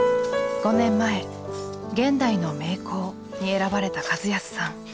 ５年前「現代の名工」に選ばれた和康さん。